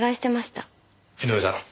井上さん